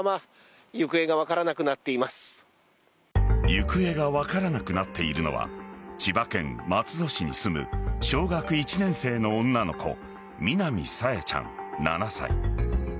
行方が分からなくなっているのは千葉県松戸市に住む小学１年生の女の子南朝芽ちゃん、７歳。